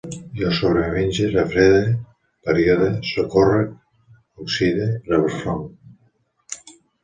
Jo sobremenge, refrede, parodie, socórrec, oxide, refonc